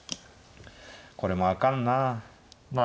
これもあかんなあ。